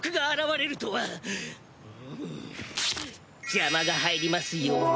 邪魔が入りますように。